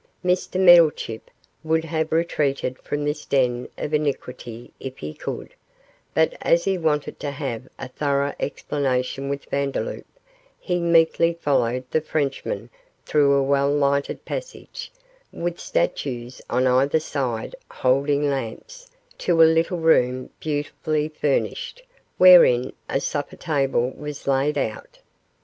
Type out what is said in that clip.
Mr Meddlechip would have retreated from this den of iniquity if he could, but as he wanted to have a thorough explanation with Vandeloup, he meekly followed the Frenchman through a well lighted passage, with statues on either side holding lamps, to a little room beautifully furnished, wherein a supper table was laid out.